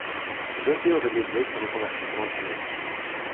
José Aurelio Gay se reconvertit comme entraîneur.